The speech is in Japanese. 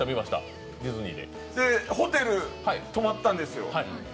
ホテル泊まったんですよ。